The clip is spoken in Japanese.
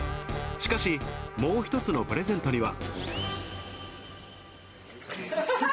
しかし、もう一つのプレゼントには。